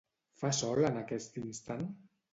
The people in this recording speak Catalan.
Fa sol en aquest instant?